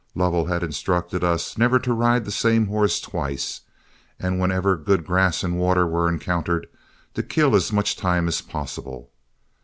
Lovell had instructed us never to ride the same horse twice, and wherever good grass and water were encountered, to kill as much time as possible.